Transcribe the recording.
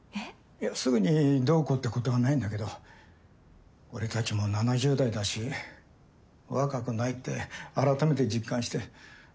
いやすぐにどうこうってことはないんだけど俺たちも７０代だし若くないって改めて実感して。